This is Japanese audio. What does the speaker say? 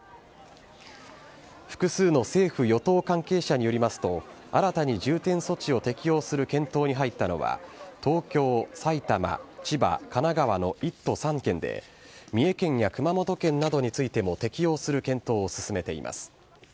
複数の政府・与党関係者によりますと、新たに重点措置を適用する検討に入ったのは、東京、埼玉、千葉、神奈川の１都３県で、三重県や熊本県などについても適用する検討を進めています。